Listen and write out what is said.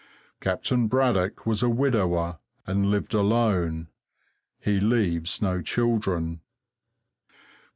Captain Braddock was a widower, and lived alone. He leaves no children."